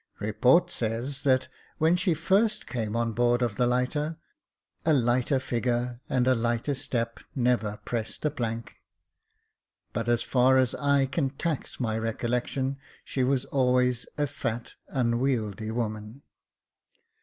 Report says, that when first she came on board of the lighter, a lighter figure and a hghter step never pressed a plank ; but as far as I can tax my recollec tion, she was always a fat, unwieldy woman.